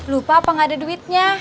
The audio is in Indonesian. lupa apa nggak ada duitnya